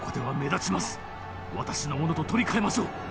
私のものと取り換えましょう。